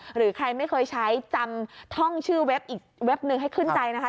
หรือใครไม่เคยใช้จำท่องชื่อเว็บอีกเว็บหนึ่งให้ขึ้นใจนะคะ